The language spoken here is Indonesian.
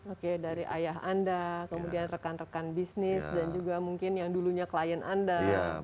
oke dari ayah anda kemudian rekan rekan bisnis dan juga mungkin yang dulunya klien anda